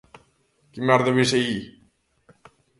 _¡Que merda ves aí!